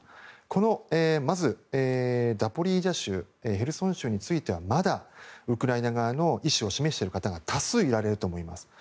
このザポリージャ州ヘルソン州についてはまだウクライナ側の意思を示している方が多数おられると思います。